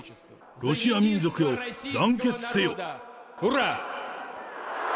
ロシア民族よ、団結せよ！